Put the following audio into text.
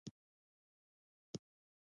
• لور د جنت دروازه ده.